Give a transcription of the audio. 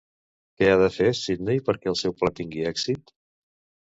Què ha de fer Sidney perquè el seu pla tingui èxit?